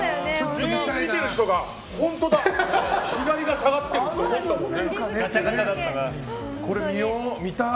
全員見ている人が本当だ、左下がってるって思ったもんね。